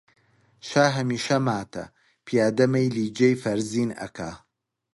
شا هەمیشە ماتە، پیادە مەیلی جێی فەرزین ئەکا